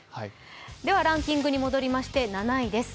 ランキングに戻りまして７位です。